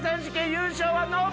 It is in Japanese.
優勝はノブ！